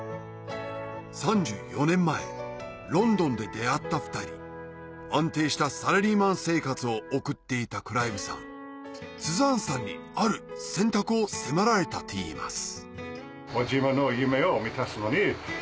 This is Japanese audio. ３４年前ロンドンで出会った２人安定したサラリーマン生活を送っていたクライブさんスザーンさんにある選択を迫られたといいます